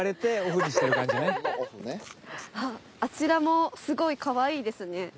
あっあちらもすごいかわいいですね。